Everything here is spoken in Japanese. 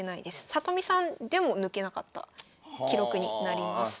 里見さんでも抜けなかった記録になります。